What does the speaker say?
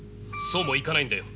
そうもいかないんだよ。